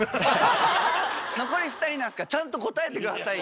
残り２人なんすからちゃんと答えてくださいよ。